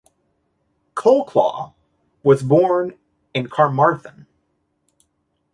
Colclough was born in Carmarthen.